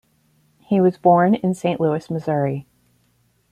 He was born in Saint Louis, Missouri.